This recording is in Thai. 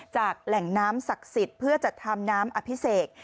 แหล่งน้ำศักดิ์สิทธิ์เพื่อจัดทำน้ำอภิเษก